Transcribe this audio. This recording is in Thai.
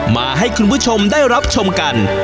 มาให้คุณผู้ชมได้รับชมกัน